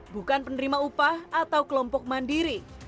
bukan penerima upah atau kelompok mandiri